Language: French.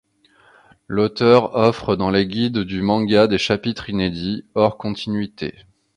L'auteur offre dans les guides du manga des chapitres inédits, hors continuité.